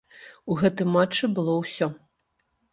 У гэтым матчы было ўсё.